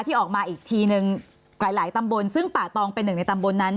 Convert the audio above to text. ที่ออกมาอีกทีนึงหลายตำบลซึ่งป่าตองเป็นหนึ่งในตำบลนั้น